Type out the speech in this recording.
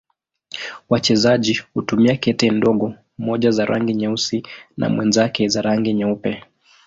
Wachezaji hutumia kete ndogo, mmoja za rangi nyeusi na mwenzake za rangi nyeupe.